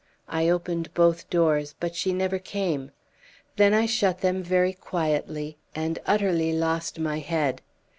I opened both doors, but she never came. Then I shut them very quietly and utterly lost my head.